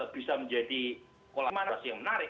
bisa menjadi kolaborasi yang menarik